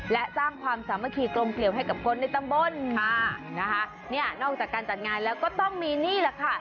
และสร้างความสามัคคีกลมเกลียวให้กับคนในตำบลค่ะนะคะเนี่ยนอกจากการจัดงานแล้วก็ต้องมีนี่แหละค่ะ